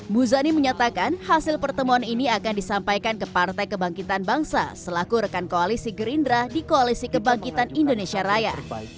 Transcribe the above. muzani menyatakan hasil pertemuan ini akan disampaikan ke partai kebangkitan bangsa selaku rekan koalisi gerindra di koalisi kebangkitan indonesia raya